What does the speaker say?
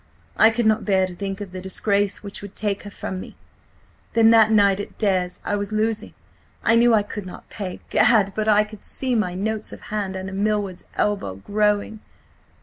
I could not bear to think of the disgrace which would take her from me. ... Then that night at Dare's. I was losing; I knew I could not pay. Gad! but I can see my notes of hand under Milward's elbow, growing.